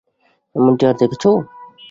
এমনটি আর দেখেছ?